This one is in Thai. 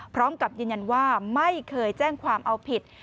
พร้อมกับยืนยันว่าไม่เคยแจ้งความเอาผิด